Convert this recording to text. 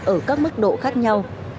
ở các mức độ khác nhau